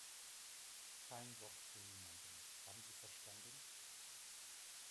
Kein Wort zu niemandem, haben Sie verstanden?